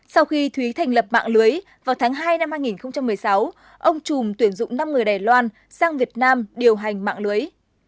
sau khi thúy thành lập mạng lưới vào tháng hai năm hai nghìn một mươi sáu ông trùm tuyển dụng năm người đài loan sang việt nam điều hành mạng lưới